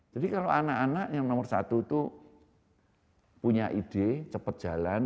jadi kalau anak anak yang nomor satu itu punya ide cepat jalan